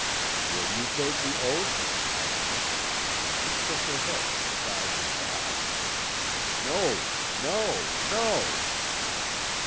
"Will you take the oath?' I asked, and she shook her head from side to side. "'No! no! no!'